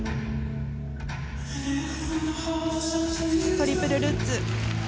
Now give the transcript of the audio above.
トリプルルッツ。